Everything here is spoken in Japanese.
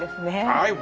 はい。